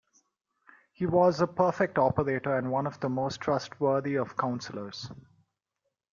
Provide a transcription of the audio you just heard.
He was a perfect operator, and one of the most trustworthy of counsellors.